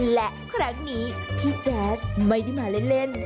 และครั้งนี้พี่แจ๊สไม่ได้มาเล่น